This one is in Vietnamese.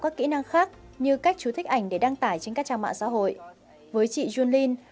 các kỹ năng khác như cách chú thích ảnh để đăng tải trên các trang mạng xã hội với chị junlin